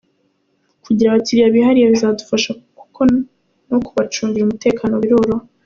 Kugira abakiliya bihariye bizadufasha kuko no kubacungira umutekano biroroha.